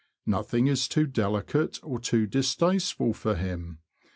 Nothing is too delicate or too distasteful for him.